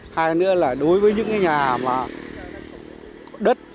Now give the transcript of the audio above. hay nữa là đối với những nhà đất